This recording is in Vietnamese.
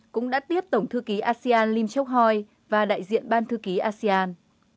cũng đã tiếp tổng thư ký asean lim chok hoi và đại diện ban thư ký asean